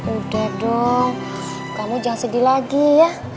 udah dong kamu jangan sedih lagi ya